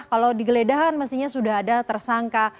kalau digeledahan mestinya sudah ada tersangka